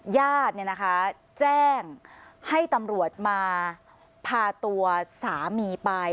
ญาติแจ้งให้ตำรวจมาพาตัวสามีไป